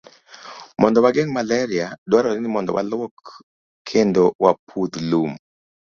Mondo wageng' malaria, dwarore ni walwok kendo wapudh lum.